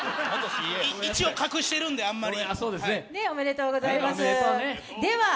一応、隠してるんで、あんまり。